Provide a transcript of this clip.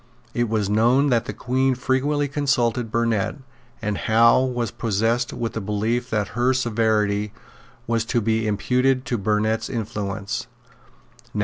It was known that the Queen frequently consulted Burnet; and Howe was possessed with the belief that her severity was to be imputed to Burnet's influence.